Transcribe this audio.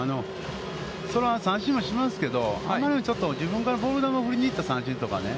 そら三振はしますけど、余りにちょっと自分からボール球を振りに行った三振とかね。